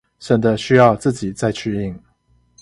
省得需要自己再去印